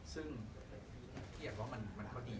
ซึ่งมันคิดว่ามันก็ดี